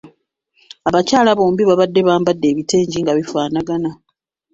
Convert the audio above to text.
Abakyala bombi baabadde bambadde ebitengi nga bifaanagana.